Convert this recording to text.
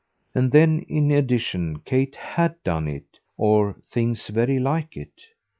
And then in addition Kate HAD done it or things very like it.